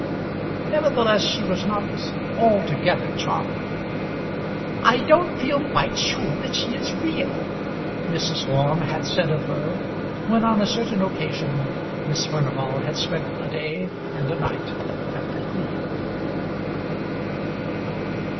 Nevertheless she was not altogether charming. "I don't feel quite sure that she is real," Mrs. Orme had said of her, when on a certain occasion Miss Furnival had spent a day and a night at The Cleeve.